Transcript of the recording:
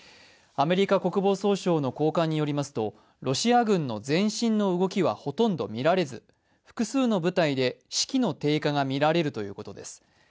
アメリカ国防総省の高官によりますとロシア軍の前進の動きはほとんど見られず複数の部隊で士気の低下が見られるということです。